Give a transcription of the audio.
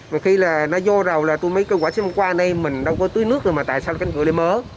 một khi là nó vô rồi là tôi mới kêu quả chứ hôm qua đây mình đâu có túi nước rồi mà tại sao cái cửa lại mớ